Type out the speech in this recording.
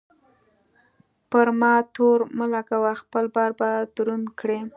پر ما تور مه لګوه؛ خپل بار به دروند کړې.